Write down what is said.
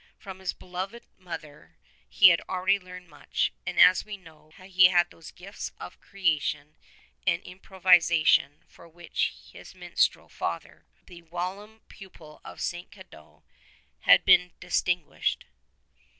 From his beloved mother he had already learned much, and, as we know, he had those gifts of creation and improvisation for which his minstrel father, the whilom pupil of St. Cadoc, had been distin guished.